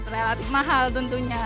relatif mahal tentunya